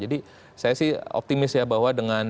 jadi saya sih optimis ya bahwa dengan